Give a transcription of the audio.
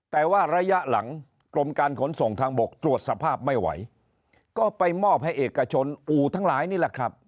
แต่ว่าระยะหลังกรมการขนส่งทางบกตรวจสภาพไม่ไหวก็ไปมอบให้เอกชนอู่ทั้งหลายนี่แหละครับ